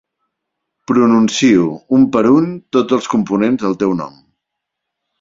Pronuncio, un per un, tots els components del teu nom.